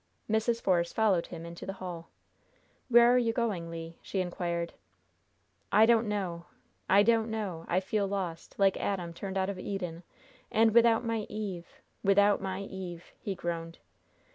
Mrs. Force followed him into the hall. "Where are you going, Le?" she inquired. "I don't know I don't know! I feel lost! Like Adam turned out of Eden! And without my Eve without my Eve!" he groaned.